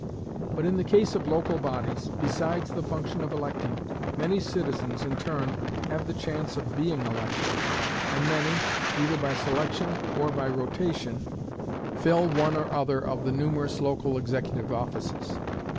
But in the case of local bodies, besides the function of electing, many citizens in turn have the chance of being elected, and many, either by selection or by rotation, fill one or other of the numerous local executive offices.